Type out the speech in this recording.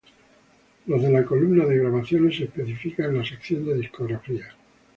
Los de la columna de "grabaciones" se especifican en la sección de "discografía".